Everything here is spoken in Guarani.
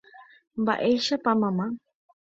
Mba'éichapa mama.